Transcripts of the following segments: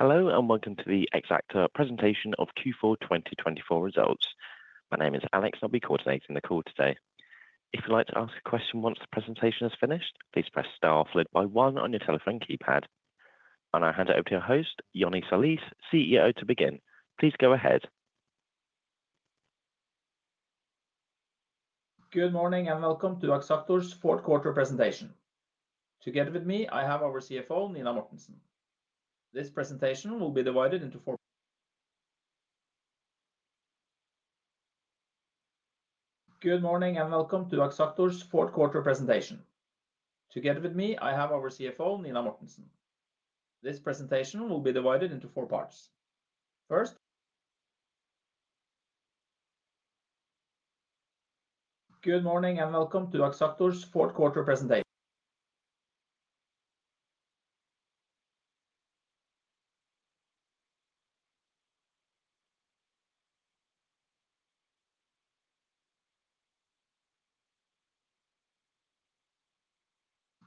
Hello and welcome to the Axactor presentation of Q4 2024 results. My name is Alex, and I'll be coordinating the call today. If you'd like to ask a question once the presentation has finished, please press star followed by one on your telephone keypad. I will hand it over to your host, Johnny Tsolis, CEO, to begin. Please go ahead. Good morning and welcome to Axactor's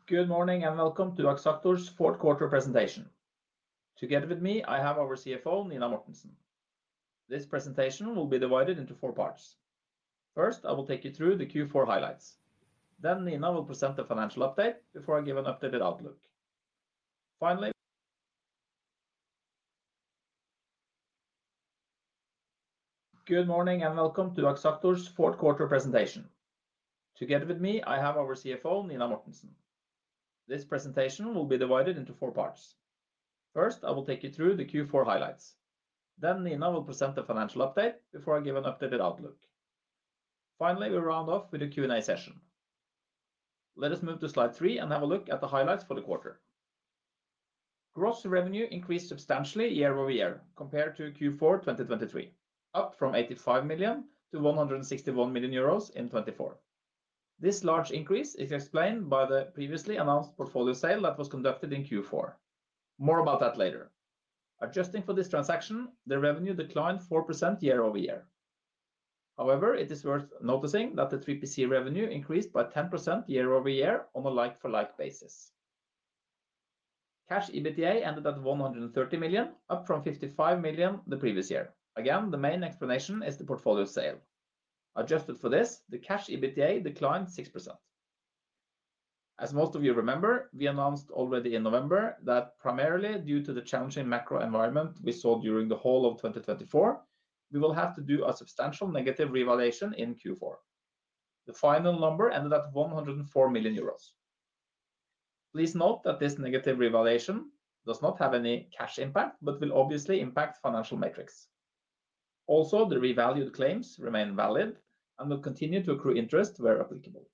fourth quarter presentation. Together with me, I have our CFO, Nina Mortensen. This presentation will be divided into four parts. First, I will take you through the Q4 highlights. Then Nina will present the financial update before I give an updated outlook. Finally, good morning and welcome to Axactor's fourth quarter presentation. Together with me, I have our CFO, Nina Mortensen. This presentation will be divided into four parts. First, I will take you through the Q4 highlights. Nina will present the financial update before I give an updated outlook. Finally, we'll round off with a Q&A session. Let us move to slide three and have a look at the highlights for the quarter. Gross revenue increased substantially year-over-year compared to Q4 2023, up from 85 million to 161 million euros in 2024. This large increase is explained by the previously announced portfolio sale that was conducted in Q4. More about that later. Adjusting for this transaction, the revenue declined 4% year-over-year. However, it is worth noticing that the 3PC revenue increased by 10% year-over-year on a like-for-like basis. Cash EBITDA ended at 130 million, up from 55 million the previous year. Again, the main explanation is the portfolio sale. Adjusted for this, the cash EBITDA declined 6%. As most of you remember, we announced already in November that primarily due to the challenging macro environment we saw during the whole of 2024, we will have to do a substantial negative revaluation in Q4. The final number ended at 104 million euros. Please note that this negative revaluation does not have any cash impact, but will obviously impact financial metrics. Also, the revalued claims remain valid and will continue to accrue interest where applicable.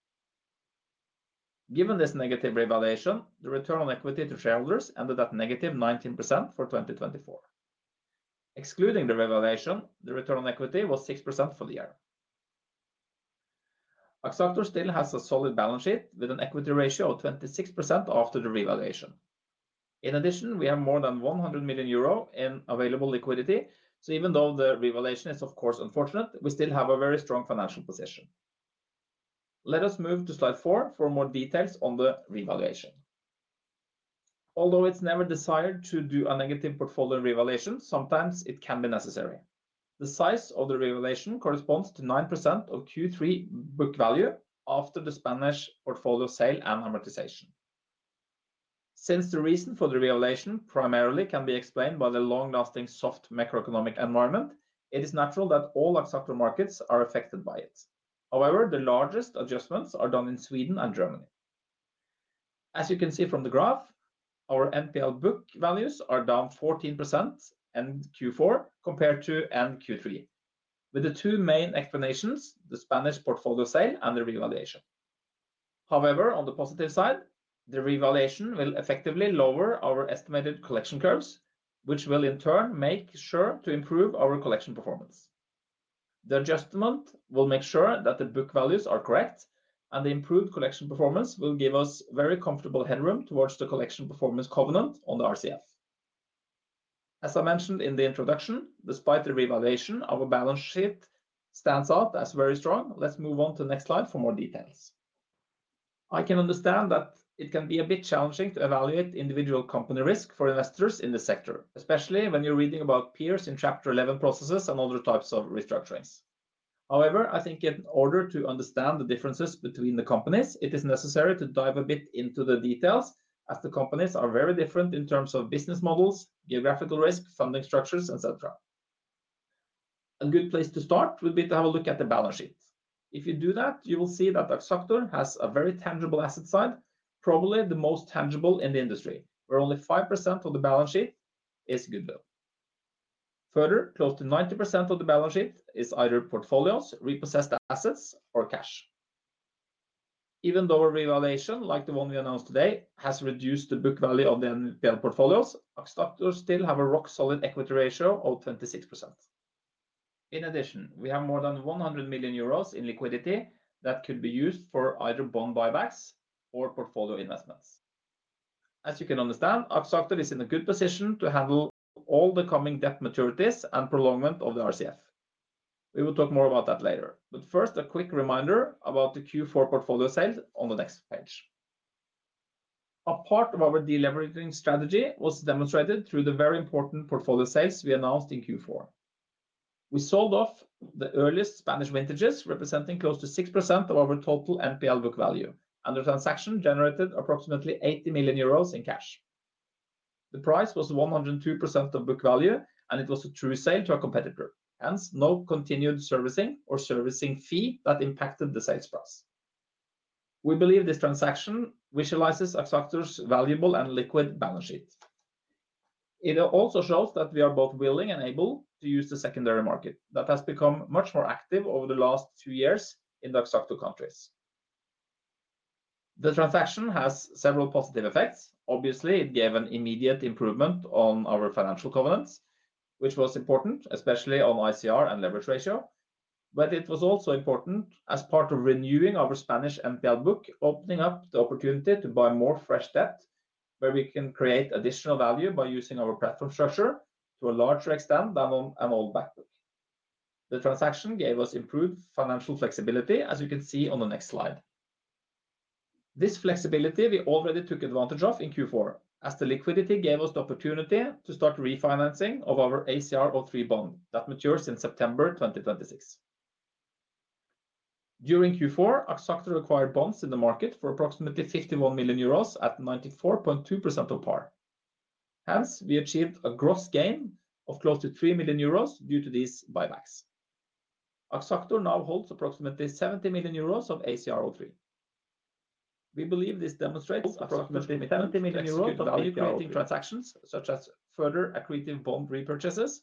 Given this negative revaluation, the return on equity to shareholders ended at negative 19% for 2024. Excluding the revaluation, the return on equity was 6% for the year. Axactor still has a solid balance sheet with an equity ratio of 26% after the revaluation. In addition, we have more than 100 million euro in available liquidity, so even though the revaluation is, of course, unfortunate, we still have a very strong financial position. Let us move to slide four for more details on the revaluation. Although it's never desired to do a negative portfolio revaluation, sometimes it can be necessary. The size of the revaluation corresponds to 9% of Q3 book value after the Spanish portfolio sale and amortization. Since the reason for the revaluation primarily can be explained by the long-lasting soft macroeconomic environment, it is natural that all Axactor markets are affected by it. However, the largest adjustments are done in Sweden and Germany. As you can see from the graph, our NPL book values are down 14% end Q4 compared to end Q3, with the two main explanations, the Spanish portfolio sale and the revaluation. However, on the positive side, the revaluation will effectively lower our estimated collection curves, which will in turn make sure to improve our collection performance. The adjustment will make sure that the book values are correct, and the improved collection performance will give us very comfortable headroom towards the collection performance covenant on the RCF. As I mentioned in the introduction, despite the revaluation, our balance sheet stands out as very strong. Let's move on to the next slide for more details. I can understand that it can be a bit challenging to evaluate individual company risk for investors in the sector, especially when you're reading about peers in Chapter 11 processes and other types of restructurings. However, I think in order to understand the differences between the companies, it is necessary to dive a bit into the details as the companies are very different in terms of business models, geographical risk, funding structures, etc. A good place to start would be to have a look at the balance sheet. If you do that, you will see that Axactor has a very tangible asset side, probably the most tangible in the industry, where only 5% of the balance sheet is goodwill. Further, close to 90% of the balance sheet is either portfolios, repossessed assets, or cash. Even though a revaluation like the one we announced today has reduced the book value of the NPL portfolios, Axactor still has a rock-solid equity ratio of 26%. In addition, we have more than 100 million euros in liquidity that could be used for either bond buybacks or portfolio investments. As you can understand, Axactor is in a good position to handle all the coming debt maturities and prolongment of the RCF. We will talk more about that later, but first, a quick reminder about the Q4 portfolio sales on the next page. A part of our deleveraging strategy was demonstrated through the very important portfolio sales we announced in Q4. We sold off the earliest Spanish vintages, representing close to 6% of our total NPL book value, and the transaction generated approximately 80 million euros in cash. The price was 102% of book value, and it was a true sale to a competitor, hence no continued servicing or servicing fee that impacted the sales price. We believe this transaction visualizes Axactor's valuable and liquid balance sheet. It also shows that we are both willing and able to use the secondary market that has become much more active over the last few years in the Axactor countries. The transaction has several positive effects. Obviously, it gave an immediate improvement on our financial covenants, which was important, especially on ICR and leverage ratio, but it was also important as part of renewing our Spanish NPL book, opening up the opportunity to buy more fresh debt, where we can create additional value by using our platform structure to a larger extent than on an old back book. The transaction gave us improved financial flexibility, as you can see on the next slide. This flexibility we already took advantage of in Q4, as the liquidity gave us the opportunity to start refinancing of our ACR03 bond that matures in September 2026. During Q4, Axactor acquired bonds in the market for approximately 51 million euros at 94.2% of par. Hence, we achieved a gross gain of close to 3 million euros due to these buybacks. Axactor now holds approximately 70 million euros of ACR03. We believe this demonstrates approximately 70 million euros of value creating transactions such as further accretive bond repurchases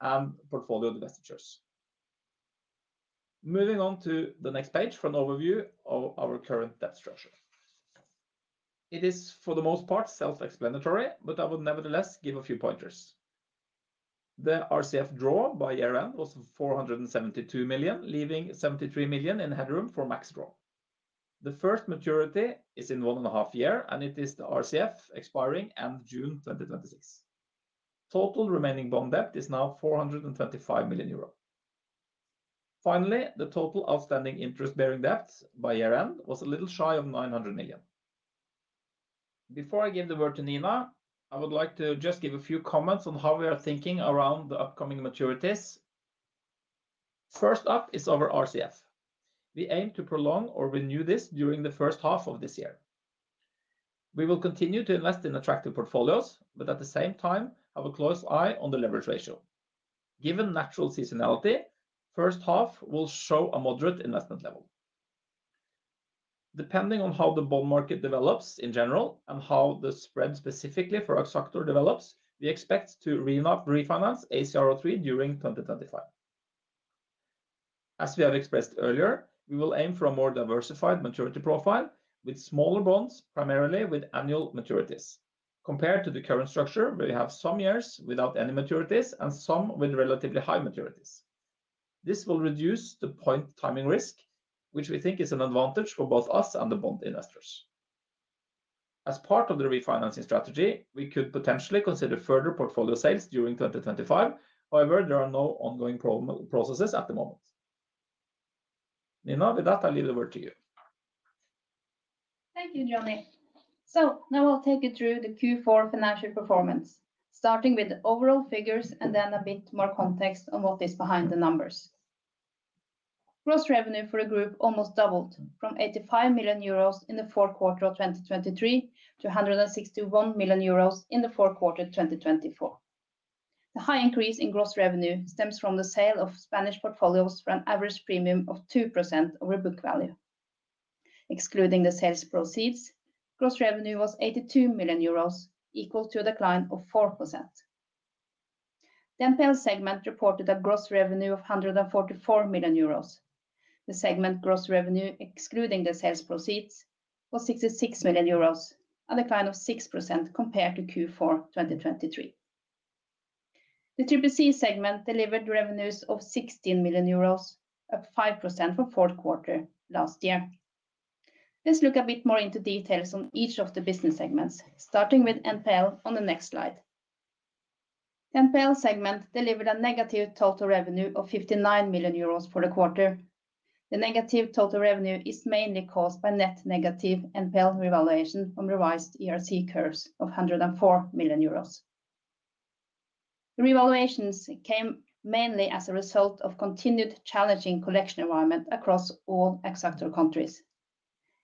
and portfolio divestitures. Moving on to the next page for an overview of our current debt structure. It is for the most part self-explanatory, but I would nevertheless give a few pointers. The RCF draw by year-end was 472 million, leaving 73 million in headroom for max draw. The first maturity is in one and a half year, and it is the RCF expiring end June 2026. Total remaining bond debt is now 425 million euro. Finally, the total outstanding interest-bearing debt by year-end was a little shy of 900 million. Before I give the word to Nina, I would like to just give a few comments on how we are thinking around the upcoming maturities. First up is our RCF. We aim to prolong or renew this during the first half of this year. We will continue to invest in attractive portfolios, but at the same time, have a close eye on the leverage ratio. Given natural seasonality, the first half will show a moderate investment level. Depending on how the bond market develops in general and how the spread specifically for Axactor develops, we expect to refinance ACR03 during 2025. As we have expressed earlier, we will aim for a more diversified maturity profile with smaller bonds, primarily with annual maturities, compared to the current structure where we have some years without any maturities and some with relatively high maturities. This will reduce the point timing risk, which we think is an advantage for both us and the bond investors. As part of the refinancing strategy, we could potentially consider further portfolio sales during 2025. However, there are no ongoing processes at the moment. Nina, with that, I'll leave the word to you. Thank you, Johnny. Now I'll take you through the Q4 financial performance, starting with the overall figures and then a bit more context on what is behind the numbers. Gross revenue for the group almost doubled from 85 million euros in the fourth quarter of 2023 to 161 million euros in the fourth quarter of 2024. The high increase in gross revenue stems from the sale of Spanish portfolios for an average premium of 2% over book value. Excluding the sales proceeds, gross revenue was 82 million euros, equal to a decline of 4%. The NPL segment reported a gross revenue of 144 million euros. The segment gross revenue, excluding the sales proceeds, was 66 million euros, a decline of 6% compared to Q4 2023. The 3PC segment delivered revenues of 16 million euros, up 5% from fourth quarter last year. Let's look a bit more into details on each of the business segments, starting with NPL on the next slide. The NPL segment delivered a negative total revenue of 59 million euros for the quarter. The negative total revenue is mainly caused by net negative NPL revaluation on revised ERC curves of 104 million euros. The revaluations came mainly as a result of continued challenging collection environment across all Axactor countries.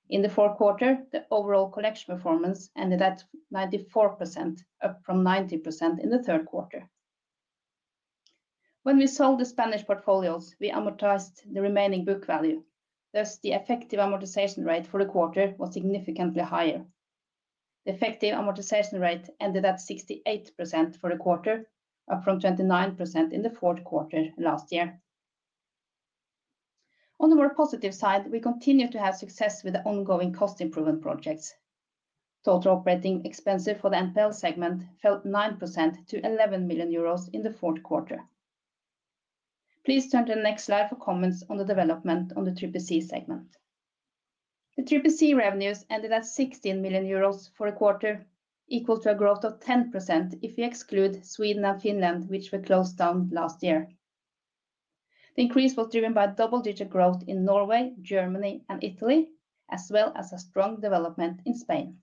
In the fourth quarter, the overall collection performance ended at 94%, up from 90% in the third quarter. When we sold the Spanish portfolios, we amortized the remaining book value. Thus, the effective amortization rate for the quarter was significantly higher. The effective amortization rate ended at 68% for the quarter, up from 29% in the fourth quarter last year. On the more positive side, we continue to have success with the ongoing cost improvement projects. Total operating expenses for the NPL segment fell 9% to 11 million euros in the fourth quarter. Please turn to the next slide for comments on the development on the 3PC segment. The 3PC revenues ended at 16 million euros for the quarter, equal to a growth of 10% if we exclude Sweden and Finland, which were closed down last year. The increase was driven by double-digit growth in Norway, Germany, and Italy, as well as a strong development in Spain.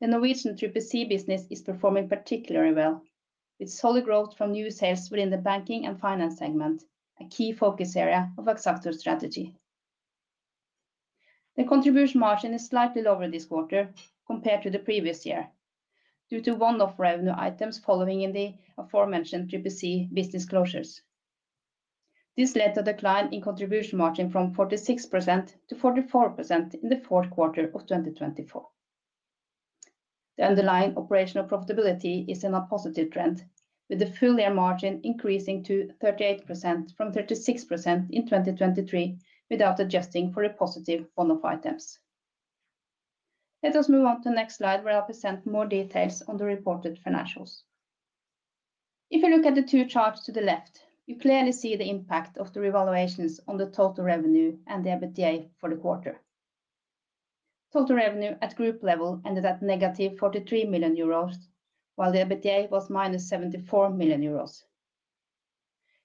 The Norwegian 3PC business is performing particularly well, with solid growth from new sales within the banking and finance segment, a key focus area of Axactor's strategy. The contribution margin is slightly lower this quarter compared to the previous year due to one-off revenue items following in the aforementioned 3PC business closures. This led to a decline in contribution margin from 46% to 44% in the fourth quarter of 2024. The underlying operational profitability is in a positive trend, with the full year margin increasing to 38% from 36% in 2023 without adjusting for the positive one-off items. Let us move on to the next slide, where I'll present more details on the reported financials. If you look at the two charts to the left, you clearly see the impact of the revaluations on the total revenue and the EBITDA for the quarter. Total revenue at group level ended at negative 43 million euros, while the EBITDA was minus 74 million euros.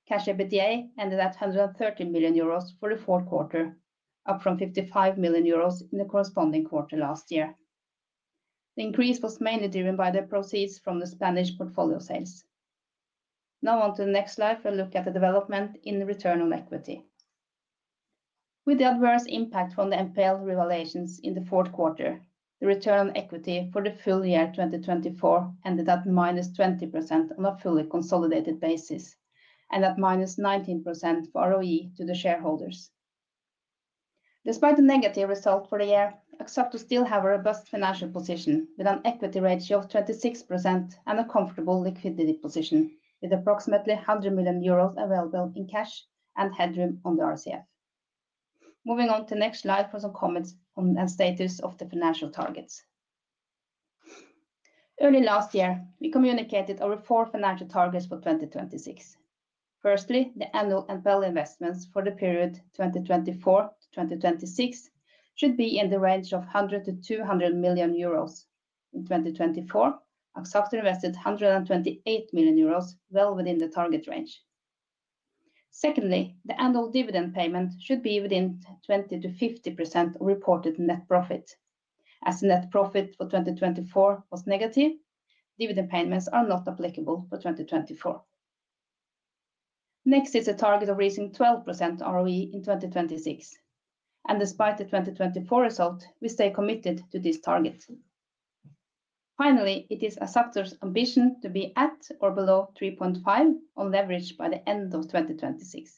Cash EBITDA ended at 130 million euros for the fourth quarter, up from 55 million euros in the corresponding quarter last year. The increase was mainly driven by the proceeds from the Spanish portfolio sales. Now, on to the next slide for a look at the development in return on equity. With the adverse impact from the NPL revaluations in the fourth quarter, the return on equity for the full year 2024 ended at -20% on a fully consolidated basis and at -19% for ROE to the shareholders. Despite the negative result for the year, Axactor still has a robust financial position with an equity ratio of 26% and a comfortable liquidity position, with approximately 100 million euros available in cash and headroom on the RCF. Moving on to the next slide for some comments on the status of the financial targets. Early last year, we communicated our four financial targets for 2026. Firstly, the annual NPL investments for the period 2024-2026 should be in the range of 100-200 million euros. In 2024, Axactor invested 128 million euros, well within the target range. Secondly, the annual dividend payment should be within 20%-50% of reported net profit. As the net profit for 2024 was negative, dividend payments are not applicable for 2024. Next is a target of raising 12% ROE in 2026. Despite the 2024 result, we stay committed to this target. Finally, it is Axactor's ambition to be at or below 3.5% on leverage by the end of 2026.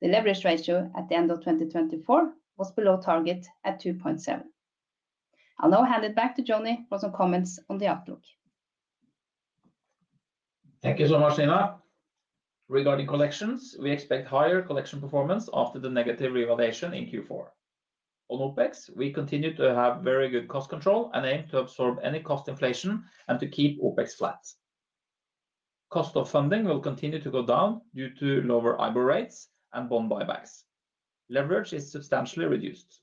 The leverage ratio at the end of 2024 was below target at 2.7%. I'll now hand it back to Johnny for some comments on the outlook. Thank you so much, Nina. Regarding collections, we expect higher collection performance after the negative revaluation in Q4. On OPEX, we continue to have very good cost control and aim to absorb any cost inflation and to keep OPEX flat. Cost of funding will continue to go down due to lower IBOR rates and bond buybacks. Leverage is substantially reduced.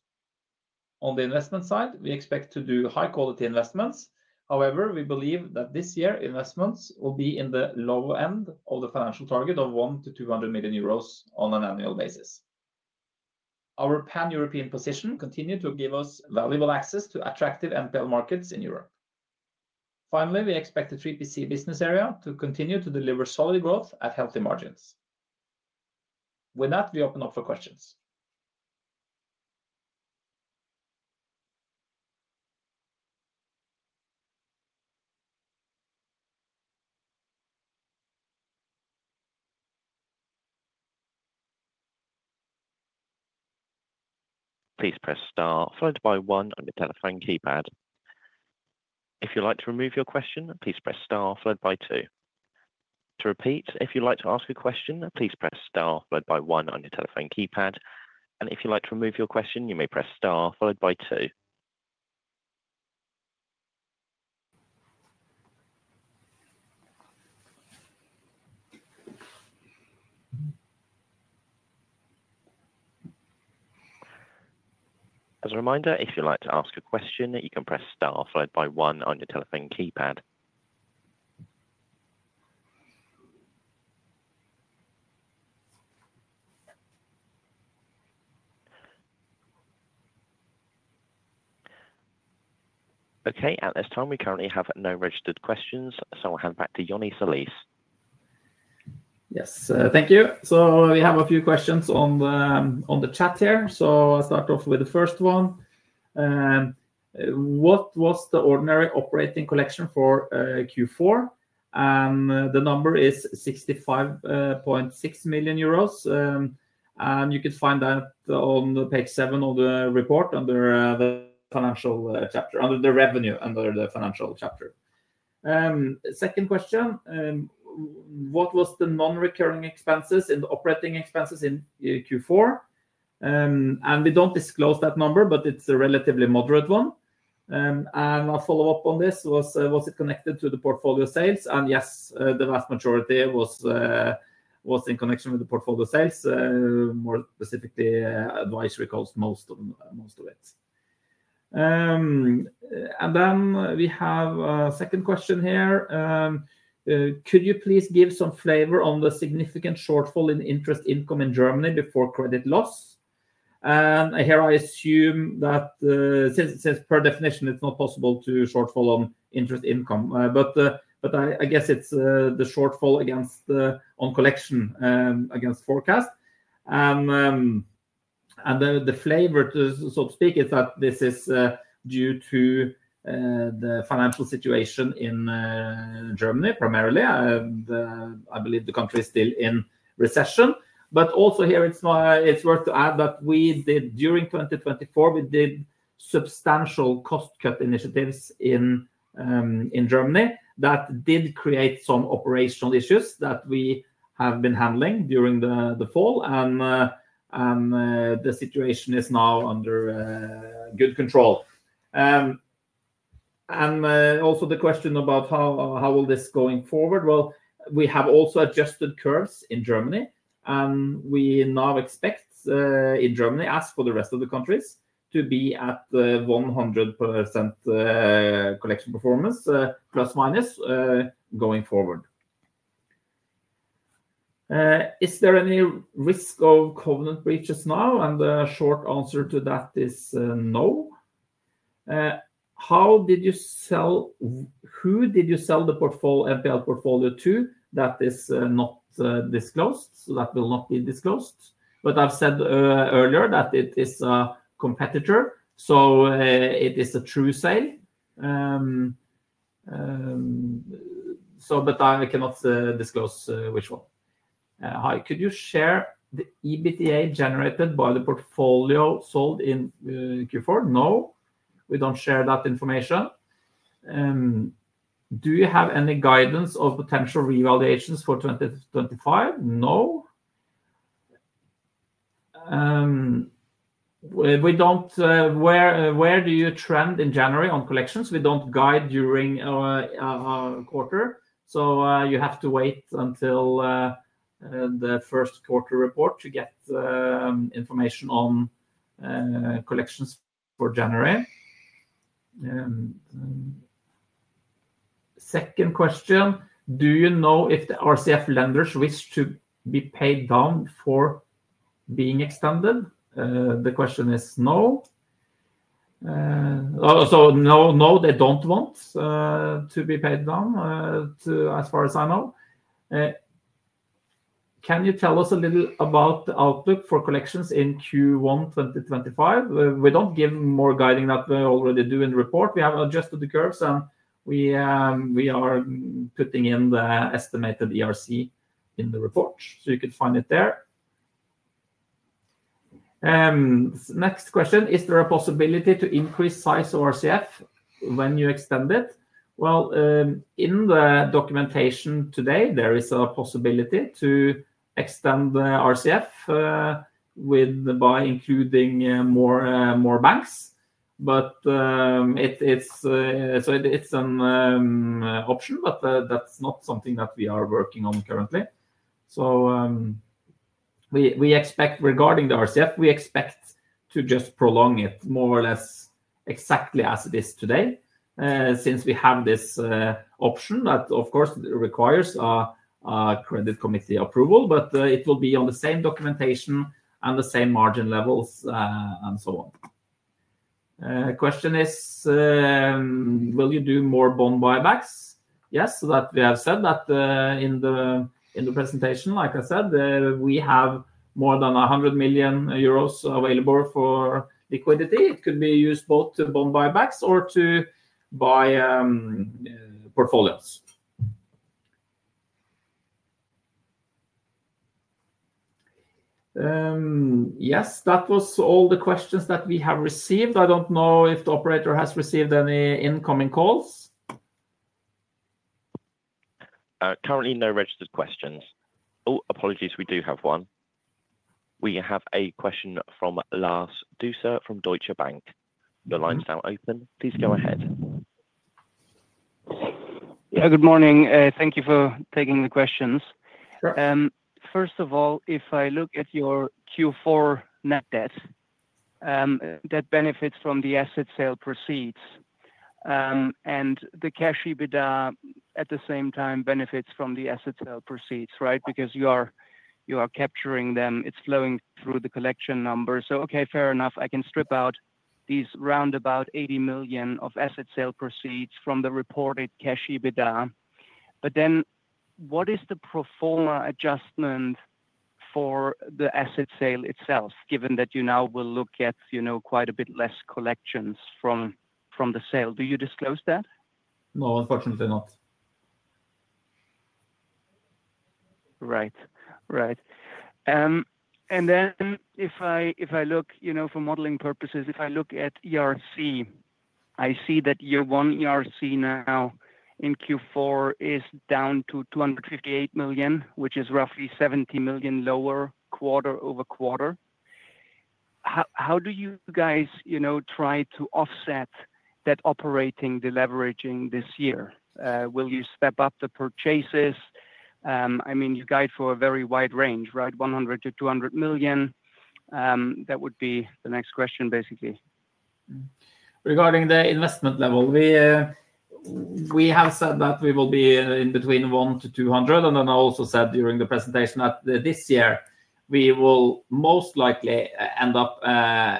On the investment side, we expect to do high-quality investments. However, we believe that this year investments will be in the lower end of the financial target of 100 million-200 million euros on an annual basis. Our Pan-European position continues to give us valuable access to attractive NPL markets in Europe. Finally, we expect the 3PC business area to continue to deliver solid growth at healthy margins. With that, we open up for questions. Please press star followed by one on your telephone keypad. If you'd like to remove your question, please press star followed by two. To repeat, if you'd like to ask a question, please press star followed by one on your telephone keypad. If you'd like to remove your question, you may press star followed by two. As a reminder, if you'd like to ask a question, you can press star followed by one on your telephone keypad. Okay. At this time, we currently have no registered questions, so I'll hand back to Johnny Tsolis. Yes, thank you. We have a few questions on the chat here. I'll start off with the first one. What was the ordinary operating collection for Q4? The number is 65.6 million euros. You can find that on page seven of the report under the financial chapter, under the revenue under the financial chapter. Second question, what was the non-recurring expenses in the operating expenses in Q4? We do not disclose that number, but it is a relatively moderate one. I'll follow up on this. Was it connected to the portfolio sales? Yes, the vast majority was in connection with the portfolio sales, more specifically advisory costs, most of it. We have a second question here. Could you please give some flavor on the significant shortfall in interest income in Germany before credit loss? I assume that since per definition, it's not possible to shortfall on interest income. I guess it's the shortfall on collection against forecast. The flavor, so to speak, is that this is due to the financial situation in Germany primarily. I believe the country is still in recession. It is worth adding that during 2024, we did substantial cost-cut initiatives in Germany that did create some operational issues that we have been handling during the fall. The situation is now under good control. The question about how will this go forward. We have also adjusted curves in Germany. We now expect in Germany, as for the rest of the countries, to be at 100% collection performance, plus minus, going forward. Is there any risk of covenant breaches now? The short answer to that is no. How did you sell? Who did you sell the NPL portfolio to? That is not disclosed, so that will not be disclosed. I have said earlier that it is a competitor, so it is a true sale. I cannot disclose which one. Hi, could you share the EBITDA generated by the portfolio sold in Q4? No, we do not share that information. Do you have any guidance of potential revaluations for 2025? No. Where do you trend in January on collections? We do not guide during a quarter. You have to wait until the first quarter report to get information on collections for January. Second question, do you know if the RCF lenders wish to be paid down for being extended? The question is no. No, they do not want to be paid down, as far as I know. Can you tell us a little about the outlook for collections in Q1 2025? We don't give more guiding than we already do in the report. We have adjusted the curves, and we are putting in the estimated ERC in the report, so you could find it there. Next question, is there a possibility to increase size of RCF when you extend it? In the documentation today, there is a possibility to extend the RCF by including more banks. It is an option, but that's not something that we are working on currently. Regarding the RCF, we expect to just prolong it more or less exactly as it is today, since we have this option that, of course, requires a credit committee approval. It will be on the same documentation and the same margin levels and so on. Question is, will you do more bond buybacks? Yes, that we have said that in the presentation, like I said, we have more than 100 million euros available for liquidity. It could be used both to bond buybacks or to buy portfolios. Yes, that was all the questions that we have received. I don't know if the operator has received any incoming calls. Currently, no registered questions. Oh, apologies, we do have one. We have a question from Lars Dueser from Deutsche Bank. The line's now open. Please go ahead. Yeah, good morning. Thank you for taking the questions. First of all, if I look at your Q4 net debt, that benefits from the asset sale proceeds. The cash EBITDA at the same time benefits from the asset sale proceeds, right? Because you are capturing them. It is flowing through the collection number. Okay, fair enough. I can strip out these roundabout 80 million of asset sale proceeds from the reported cash EBITDA. What is the pro forma adjustment for the asset sale itself, given that you now will look at quite a bit less collections from the sale? Do you disclose that? No, unfortunately not. Right. Right. If I look for modeling purposes, if I look at ERC, I see that year one ERC now in Q4 is down to 258 million, which is roughly 70 million lower quarter over quarter. How do you guys try to offset that operating deleveraging this year? Will you step up the purchases? I mean, you guide for a very wide range, right? 100-200 million. That would be the next question, basically. Regarding the investment level, we have said that we will be in between 100 million to 200 million. I also said during the presentation that this year we will most likely end up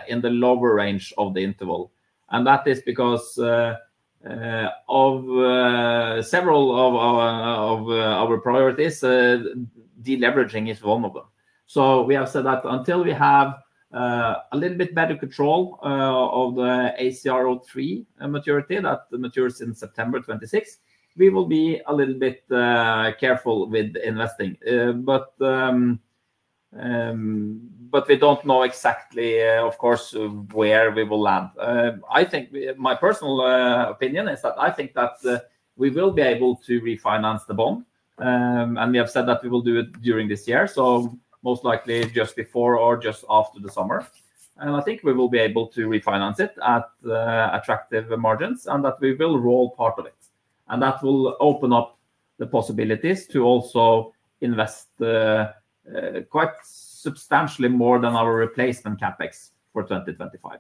in the lower range of the interval. That is because of several of our priorities, deleveraging is vulnerable. We have said that until we have a little bit better control of the ACR03 maturity that matures in September 2026, we will be a little bit careful with investing. We do not know exactly, of course, where we will land. My personal opinion is that I think that we will be able to refinance the bond. We have said that we will do it during this year, most likely just before or just after the summer. I think we will be able to refinance it at attractive margins and that we will roll part of it. That will open up the possibilities to also invest quite substantially more than our replacement CapEx for 2025.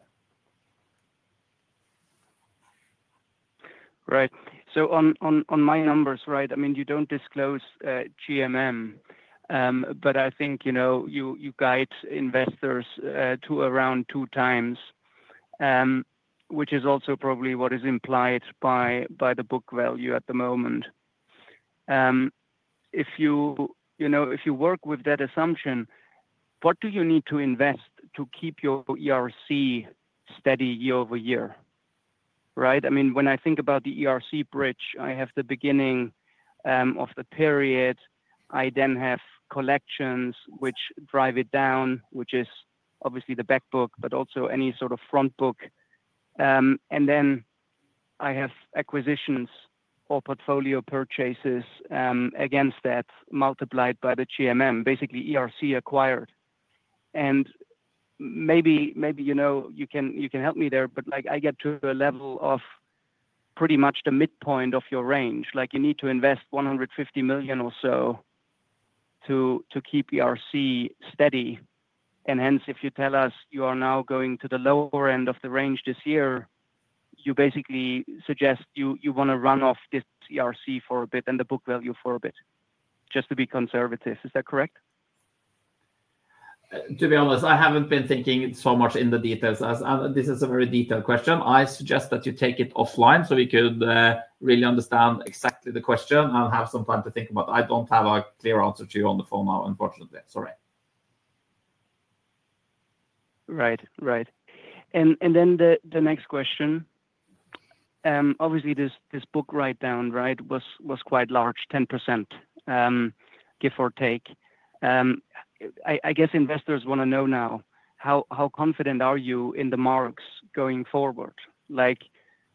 Right. On my numbers, I mean, you do not disclose GMM. I think you guide investors to around two times, which is also probably what is implied by the book value at the moment. If you work with that assumption, what do you need to invest to keep your ERC steady year-over-year? I mean, when I think about the ERC bridge, I have the beginning of the period. I then have collections which drive it down, which is obviously the back book, but also any sort of front book. I then have acquisitions or portfolio purchases against that, multiplied by the GMM, basically ERC acquired. Maybe you can help me there, but I get to a level of pretty much the midpoint of your range. You need to invest 150 million or so to keep ERC steady. If you tell us you are now going to the lower end of the range this year, you basically suggest you want to run off this ERC for a bit and the book value for a bit, just to be conservative. Is that correct? To be honest, I haven't been thinking so much in the details. This is a very detailed question. I suggest that you take it offline so we could really understand exactly the question and have some time to think about it. I don't have a clear answer to you on the phone now, unfortunately. Sorry. Right. Right. The next question, obviously, this book write-down, right, was quite large, 10%, give or take. I guess investors want to know now, how confident are you in the marks going forward?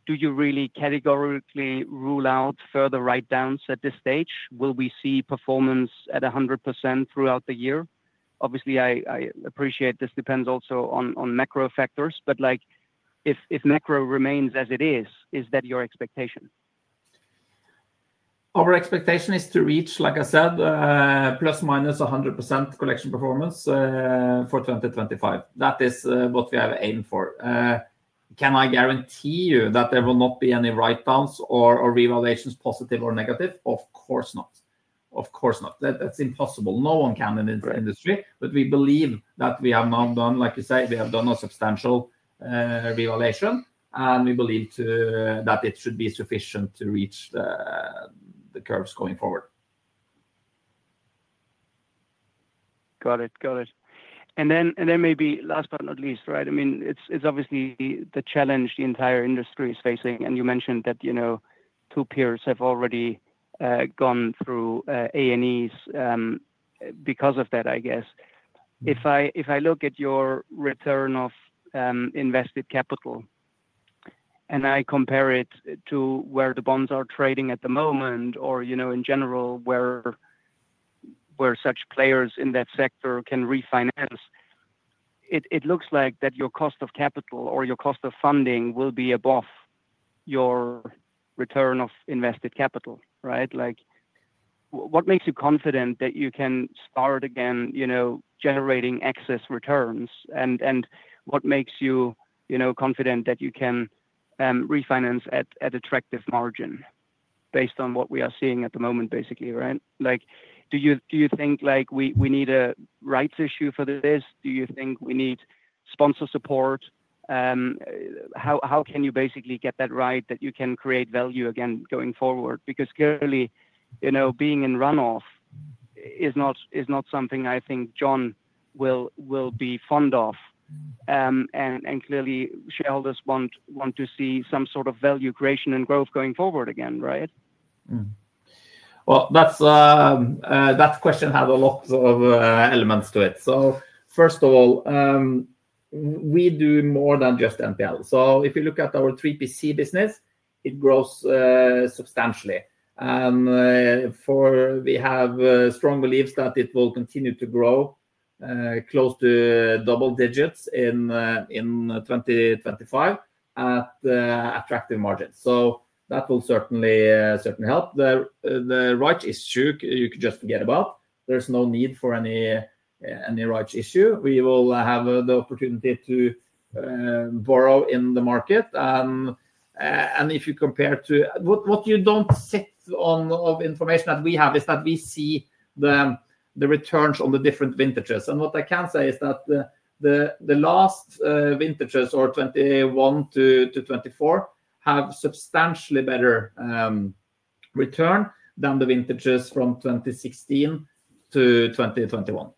Do you really categorically rule out further write-downs at this stage? Will we see performance at 100% throughout the year? Obviously, I appreciate this depends also on macro factors. If macro remains as it is, is that your expectation? Our expectation is to reach, like I said, plus minus 100% collection performance for 2025. That is what we have aimed for. Can I guarantee you that there will not be any write-downs or revaluations, positive or negative? Of course not. Of course not. That is impossible. No one can in this industry. We believe that we have now done, like you say, we have done a substantial revaluation. We believe that it should be sufficient to reach the curves going forward. Got it. Got it. Maybe last but not least, right? I mean, it's obviously the challenge the entire industry is facing. You mentioned that two peers have already gone through A&Es because of that, I guess. If I look at your return of invested capital and I compare it to where the bonds are trading at the moment or in general where such players in that sector can refinance, it looks like your cost of capital or your cost of funding will be above your return of invested capital, right? What makes you confident that you can start again generating excess returns? What makes you confident that you can refinance at attractive margin based on what we are seeing at the moment, basically, right? Do you think we need a rights issue for this? Do you think we need sponsor support? How can you basically get that right that you can create value again going forward? Because clearly, being in runoff is not something I think Johnny will be fond of. Clearly, shareholders want to see some sort of value creation and growth going forward again, right? That question has a lot of elements to it. First of all, we do more than just NPL. If you look at our 3PC business, it grows substantially. We have strong beliefs that it will continue to grow close to double digits in 2025 at attractive margins. That will certainly help. The rights issue, you could just forget about. There is no need for any rights issue. We will have the opportunity to borrow in the market. If you compare to what you do not sit on of information that we have, we see the returns on the different vintages. What I can say is that the last vintages, or 2021 to 2024, have substantially better return than the vintages from 2016 to 2021.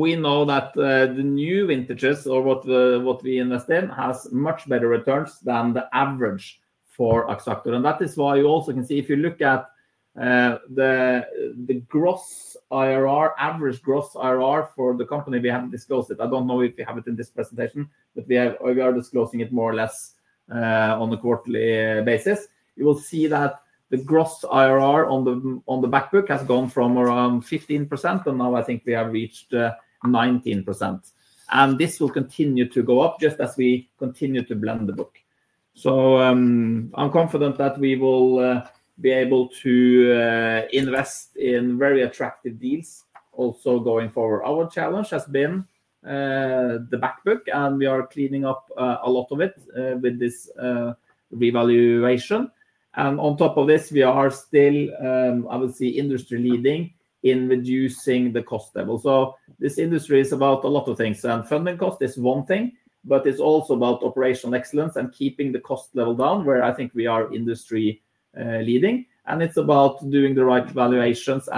We know that the new vintages or what we invest in has much better returns than the average for Axactor. That is why you also can see if you look at the gross IRR, average gross IRR for the company, we have not disclosed it. I do not know if we have it in this presentation, but we are disclosing it more or less on a quarterly basis. You will see that the gross IRR on the backbook has gone from around 15%, and now I think we have reached 19%. This will continue to go up just as we continue to blend the book. I am confident that we will be able to invest in very attractive deals also going forward. Our challenge has been the back book, and we are cleaning up a lot of it with this revaluation. On top of this, we are still, I would say, industry-leading in reducing the cost level. This industry is about a lot of things. Funding cost is one thing, but it is also about operational excellence and keeping the cost level down, where I think we are industry-leading. It is about doing the right valuations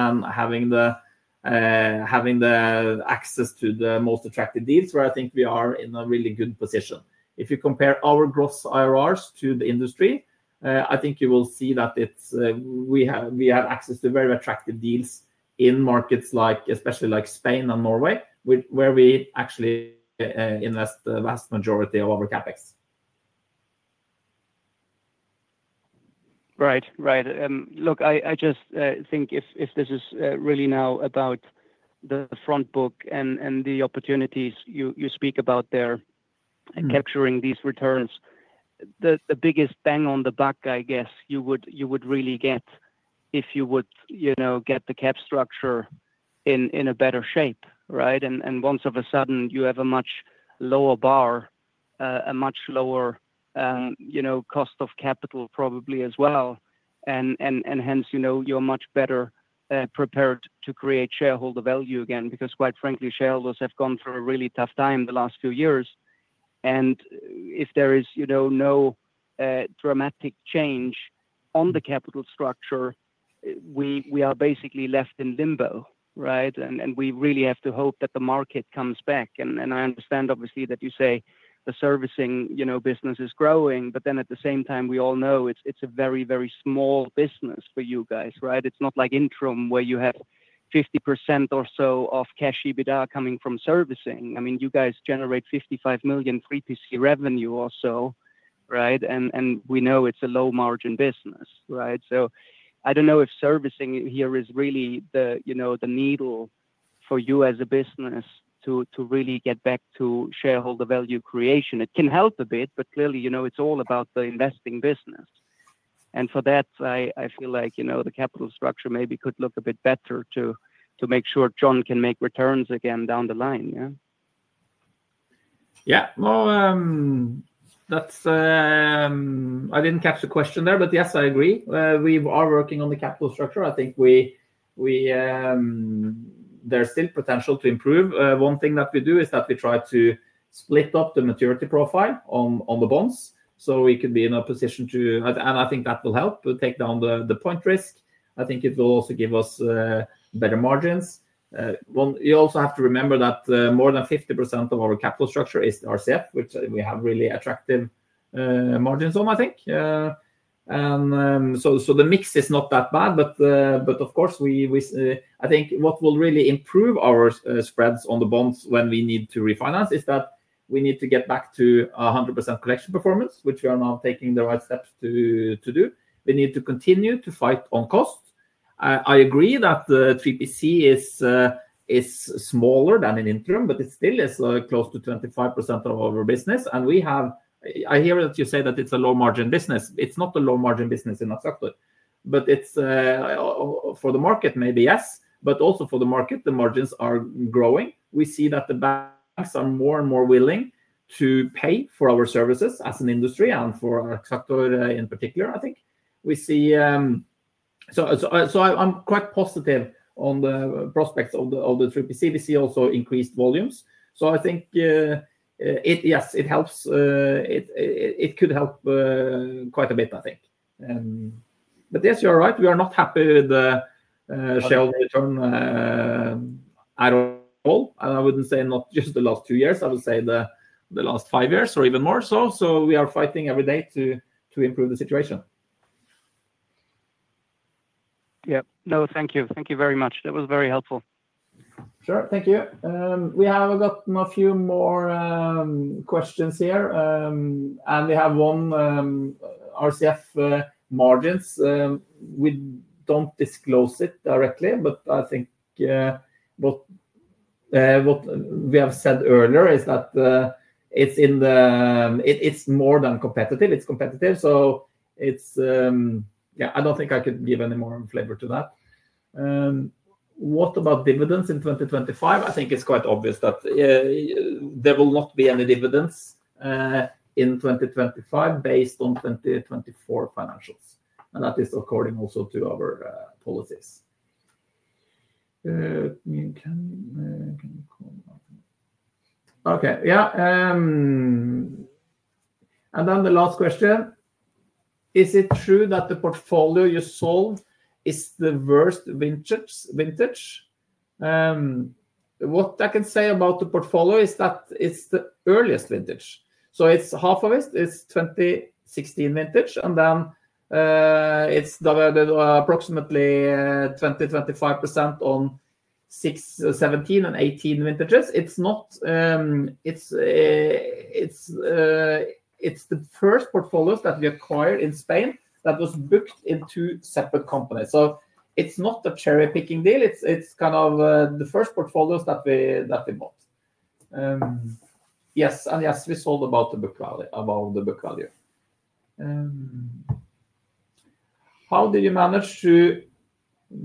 and having the access to the most attractive deals, where I think we are in a really good position. If you compare our gross IRRs to the industry, I think you will see that we have access to very attractive deals in markets like especially like Spain and Norway, where we actually invest the vast majority of our CapEx. Right. Right. Look, I just think if this is really now about the front book and the opportunities you speak about there and capturing these returns, the biggest bang on the buck, I guess, you would really get if you would get the cap structure in a better shape, right? Once of a sudden, you have a much lower bar, a much lower cost of capital probably as well. Hence, you're much better prepared to create shareholder value again because, quite frankly, shareholders have gone through a really tough time the last few years. If there is no dramatic change on the capital structure, we are basically left in limbo, right? We really have to hope that the market comes back. I understand, obviously, that you say the servicing business is growing, but then at the same time, we all know it's a very, very small business for you guys, right? It's not like Intrum where you have 50% or so of cash EBITDA coming from servicing. I mean, you guys generate 55 million 3PC revenue or so, right? And we know it's a low-margin business, right? I don't know if servicing here is really the needle for you as a business to really get back to shareholder value creation. It can help a bit, but clearly, it's all about the investing business. For that, I feel like the capital structure maybe could look a bit better to make sure Johnny can make returns again down the line, yeah? Yeah. I did not catch the question there, but yes, I agree. We are working on the capital structure. I think there is still potential to improve. One thing that we do is that we try to split up the maturity profile on the bonds so we could be in a position to, and I think that will help take down the point risk. I think it will also give us better margins. You also have to remember that more than 50% of our capital structure is RCF, which we have really attractive margins on, I think. The mix is not that bad. Of course, I think what will really improve our spreads on the bonds when we need to refinance is that we need to get back to 100% collection performance, which we are now taking the right steps to do. We need to continue to fight on cost. I agree that 3PC is smaller than in Intrum, but it still is close to 25% of our business. I hear that you say that it's a low-margin business. It's not a low-margin business in Axactor. For the market, maybe yes. For the market, the margins are growing. We see that the banks are more and more willing to pay for our services as an industry and for Axactor in particular, I think. I am quite positive on the prospects of the 3PC. We see also increased volumes. I think, yes, it helps. It could help quite a bit, I think. Yes, you're right. We are not happy with the shareholder return at all. I wouldn't say not just the last two years. I would say the last five years or even more so. We are fighting every day to improve the situation. Yeah. No, thank you. Thank you very much. That was very helpful. Sure. Thank you. We have gotten a few more questions here. We have one on RCF margins. We do not disclose it directly, but I think what we have said earlier is that it is more than competitive. It is competitive. I do not think I could give any more flavor to that. What about dividends in 2025? I think it is quite obvious that there will not be any dividends in 2025 based on 2024 financials. That is according also to our policies. Okay. The last question. Is it true that the portfolio you sold is the worst vintage? What I can say about the portfolio is that it is the earliest vintage. Half of it is 2016 vintage, and then it is approximately 20-25% on 2016, 2017, and 2018 vintages. It is the first portfolios that we acquired in Spain that was booked into separate companies. It is not a cherry-picking deal. It is kind of the first portfolios that we bought. Yes. Yes, we sold about the book value. How did you manage to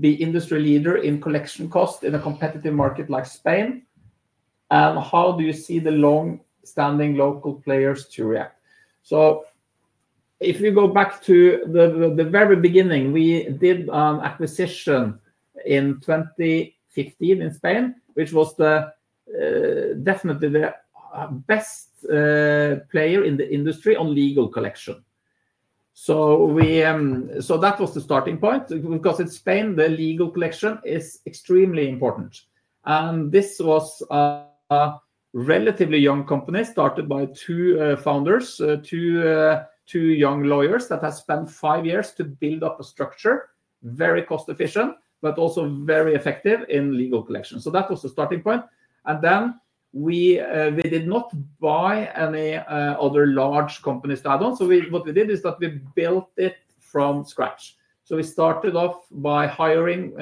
be industry leader in collection cost in a competitive market like Spain? How do you see the long-standing local players react? If we go back to the very beginning, we did an acquisition in 2015 in Spain, which was definitely the best player in the industry on legal collection. That was the starting point because in Spain, legal collection is extremely important. This was a relatively young company started by two founders, two young lawyers that have spent five years to build up a structure, very cost-efficient but also very effective in legal collection. That was the starting point. We did not buy any other large companies to add on. What we did is that we built it from scratch. We started off by hiring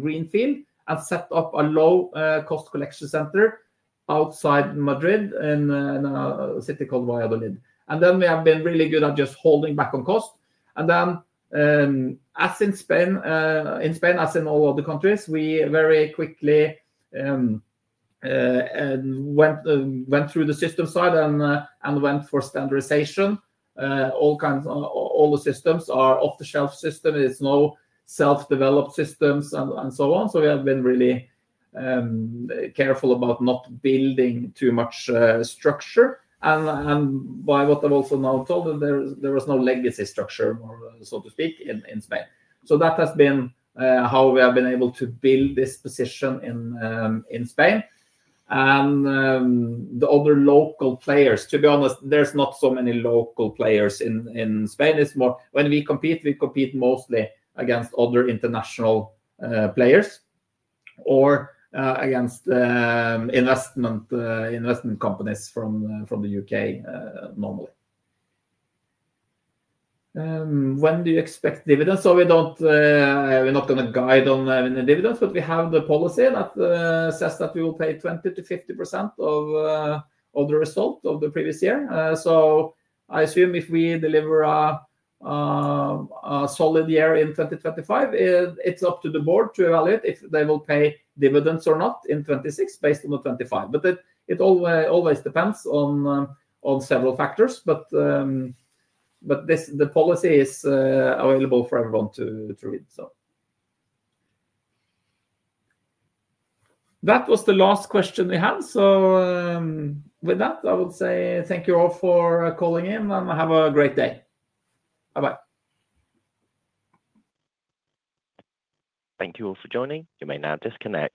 Greenfield and set up a low-cost collection center outside Madrid in a city called Valladolid. We have been really good at just holding back on cost. In Spain, as in all other countries, we very quickly went through the system side and went for standardization. All the systems are off-the-shelf systems. It is no self-developed systems and so on. We have been really careful about not building too much structure. By what I have also now told, there was no legacy structure, so to speak, in Spain. That has been how we have been able to build this position in Spain. The other local players, to be honest, there are not so many local players in Spain. When we compete, we compete mostly against other international players or against investment companies from the U.K. normally. When do you expect dividends? We are not going to guide on dividends, but we have the policy that says that we will pay 20%-50% of the result of the previous year. I assume if we deliver a solid year in 2025, it is up to the board to evaluate if they will pay dividends or not in 2026 based on the 2025. It always depends on several factors. The policy is available for everyone to read. That was the last question we had. With that, I would say thank you all for calling in, and have a great day. Bye-bye. Thank you all for joining. You may now disconnect.